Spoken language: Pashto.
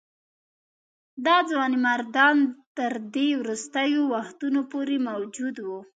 دا ځوانمردان تر دې وروستیو وختونو پورې موجود وه.